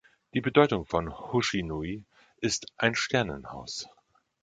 Die Bedeutung von „Hoshi-no-ie“ ist „ein Sternenhaus“.